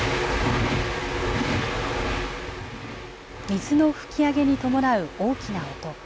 水の噴き上げに伴う大きな音。